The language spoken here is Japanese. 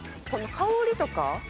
この香りとか。